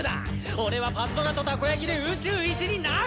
俺はパズドラとたこやきで宇宙一になる！